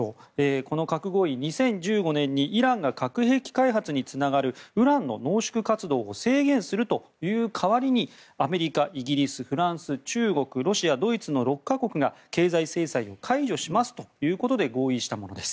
この核合意、２０１５年にイランが核兵器開発につながるウランの濃縮活動を制限するという代わりにアメリカ、イギリス、フランス中国、ロシア、ドイツの６か国が経済制裁を解除しますということで合意したものです。